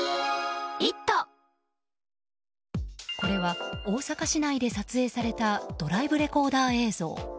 これは大阪市内で撮影されたドライブレコーダー映像。